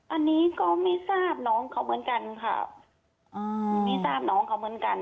อันนี้ก็ไม่ทราบน้องเขาเหมือนกันค่ะอ่าไม่ทราบน้องเขาเหมือนกัน